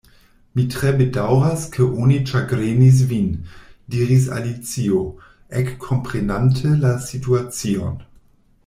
"Mi tre bedaŭras ke oni ĉagrenis vin," diris Alicio, ekkomprenante la situacion.